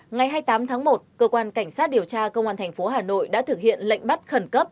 ngày hai mươi tám tháng một cơ quan cảnh sát điều tra công an thành phố hà nội đã thực hiện lệnh bắt khẩn cấp